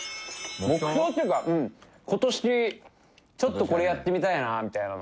目標っていうか今年ちょっとこれやってみたいなみたいなの。